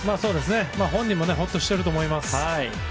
本人もほっとしていると思います。